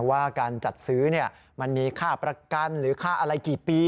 ว่าการจัดซื้อมันมีค่าประกันหรือค่าอะไรกี่ปี